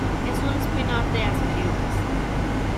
Es un spin-off de "As Cariocas".